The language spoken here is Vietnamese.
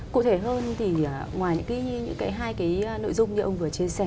cụ thể hơn thì ngoài những cái hai cái nội dung như ông vừa chia sẻ